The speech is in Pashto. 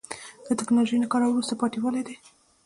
د تکنالوژۍ نه کارول وروسته پاتې والی دی.